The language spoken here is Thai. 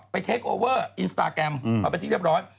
เทคโอเวอร์อินสตาแกรมมาเป็นที่เรียบร้อย